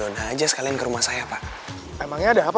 hai berdua aja sekalian ke rumah saya pak emangnya ada apa